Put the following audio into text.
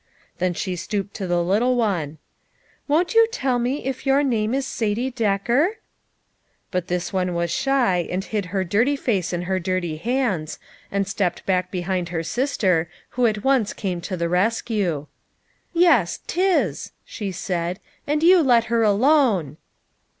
Then she stooped to the little one. " "Won't you tell me if your name is Satie Decker?" But this one was shy, and hid her dirty face in her dirty hands, and stepped back behind her sister who at once came to the rescue. " Yes, 'tis," she said, " and you let her alone."